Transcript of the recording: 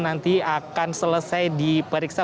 nanti akan selesai diperiksa